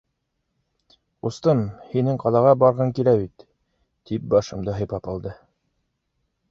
Ҡустым, һинең ҡалаға барғың килә бит? — тип башымды һыйпап алды.